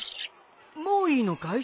もういいのかい？